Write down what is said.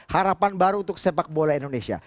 harapan baru untuk sepak bola indonesia